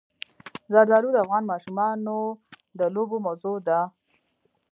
زردالو د افغان ماشومانو د لوبو موضوع ده.